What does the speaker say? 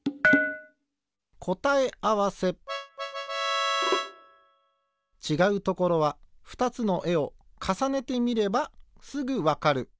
こたえあわせちがうところは２つのえをかさねてみればすぐわかる。